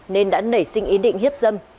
nên đã nảy sinh ý định hiếp dâm